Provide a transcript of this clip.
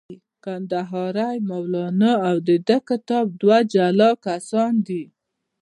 کندهاری مولانا او د دې کتاب دوه جلا کسان دي.